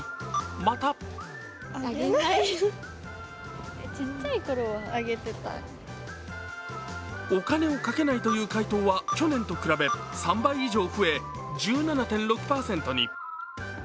またお金をかけないという回答は去年と比べ３倍以上増え、１７．６％に。